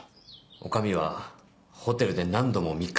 女将はホテルで何度も密会してました。